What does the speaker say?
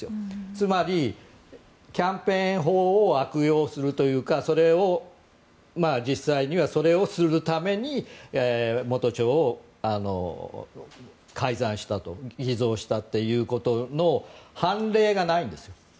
つまり、キャンペーン法を悪用するというかそれを実際にはそれをするために元帳を改ざんしたと偽造したということの判例がないんですよ。